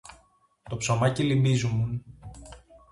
Το ψωμάκι λιμπίζουμουν